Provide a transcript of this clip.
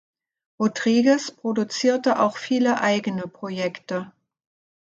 Rodriguez produzierte auch viele eigene Projekte.